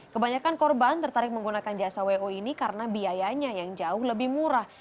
kebanyakan korban tertarik menggunakan jasa wo ini karena biayanya yang jauh lebih murah